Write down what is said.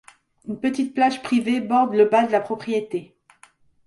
Une petite plage privée borde le bas de la propriété.